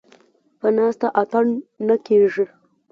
ـ په ناسته اتڼ نه کېږي.